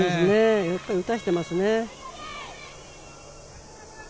やっぱり打たせてますね。